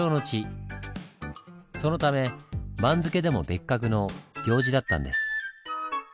そのため番付でも別格の「行司」だったんです。